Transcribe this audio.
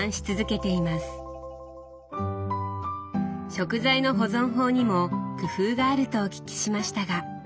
食材の保存法にも工夫があるとお聞きしましたが。